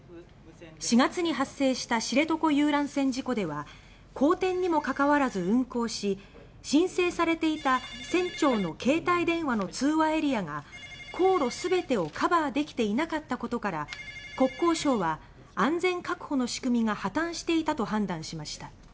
４月のに発生した知床遊覧船事故では荒天にもかかわらず運航し申請されていた船長の携帯電話の通話エリアが航路全てをカバーできていなかったことから国交省は「安全確保の仕組みが破綻していた」と判断しました。